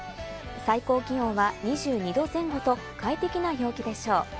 最高気温は２２度前後と快適な陽気でしょう。